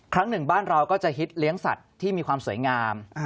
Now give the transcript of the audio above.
ครั้งหนึ่งบ้านเราก็จะฮิตเลี้ยงสัตว์ที่มีความสวยงาม